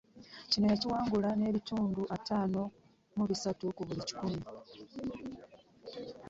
Kino yakiwangula n'ebitundu ataano mu bisatu ku buli kikumi